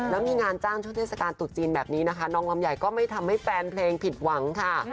แล้วมีงานจ้างช่วงเทศกาลตรุษจีนแบบนี้นะคะน้องลำไยก็ไม่ทำให้แฟนเพลงผิดหวังค่ะ